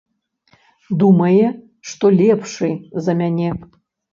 Думае, што лепшы за мяне.